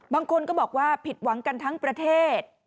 บางคนก็บอกว่าผิดหวังกันทั้งประเทศ